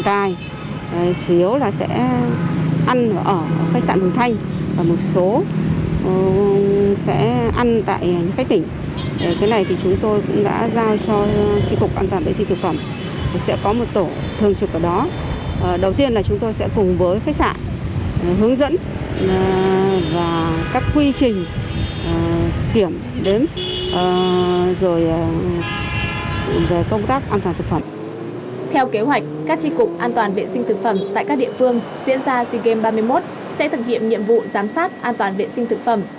theo kế hoạch các tri cục an toàn vệ sinh thực phẩm tại các địa phương diễn ra seagame ba mươi một sẽ thực hiện nhiệm vụ giám sát an toàn vệ sinh thực phẩm